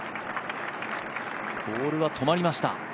ボールは止まりました。